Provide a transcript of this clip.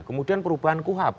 kemudian perubahan kuhap